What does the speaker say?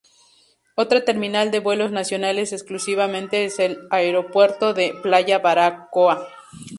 Otra terminal de vuelos nacionales exclusivamente es el Aeropuerto de Playa Baracoa.